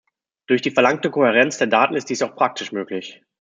Durch die verlangte Kohärenz der Daten ist dies auch praktisch möglich.